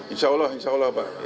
insya allah insya allah pak